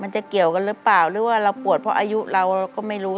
จะเกี่ยวกันหรือเปล่าหรือว่าเราปวดเพราะอายุเราเราก็ไม่รู้